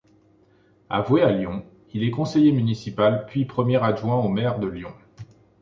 Avoué à Lyon, il est conseiller municipal puis premier adjoint au maire de Lyon.